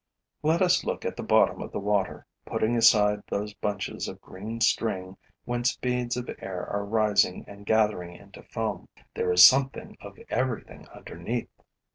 Let us look at the bottom of the water, pulling aside those bunches of green string whence beads of air are rising and gathering into foam. There is something of everything underneath.